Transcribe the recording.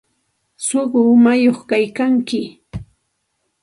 Suqu umañaq kaykanki.